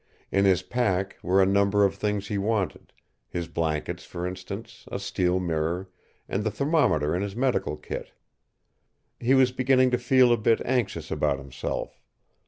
In his pack were a number of things he wanted his blankets, for instance, a steel mirror, and the thermometer in his medical kit. He was beginning to feel a bit anxious about himself.